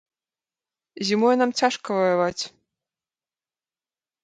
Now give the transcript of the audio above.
Зімой нам цяжка ваяваць.